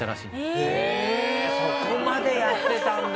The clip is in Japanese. そこまでやってたんだ。